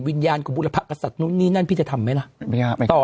วิญญาณของบุรพกษัตริย์นู้นนี่นั่นพี่จะทำไหมล่ะไม่ง่ายไม่ง่าย